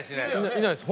いないです。